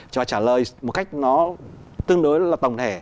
trả lời một cách nó tương đối là tổng thể